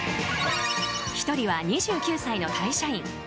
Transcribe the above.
１人は２９歳の会社員。